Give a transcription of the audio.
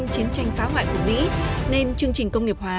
chiến tranh phá hoại của mỹ nên chương trình công nghiệp hóa